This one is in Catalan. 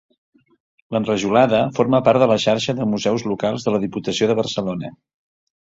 L'Enrajolada forma part de la Xarxa de Museus Locals de la Diputació de Barcelona.